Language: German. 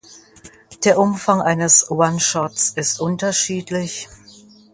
Der Umfang eines One Shots ist unterschiedlich.